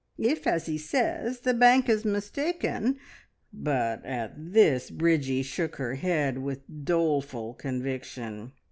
If, as he says, the bank is mistaken " But at this Bridgie shook her head with doleful conviction.